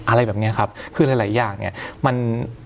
อะไรแบบนี้ครับคือหลายอย่างเนี่ยมัน